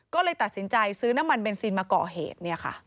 ก็เลยตัดสินใจซื้อน้ำมันเบนซินมาก่อเหตุ